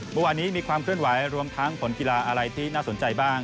เมื่อวานนี้มีความเคลื่อนไหวรวมทั้งผลกีฬาอะไรที่น่าสนใจบ้าง